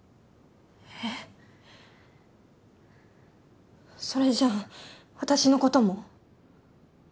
えそれじゃあ私のことも？